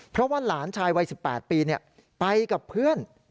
เพราะว่าหลานชายวัย๑๘ปีไปกับเพื่อน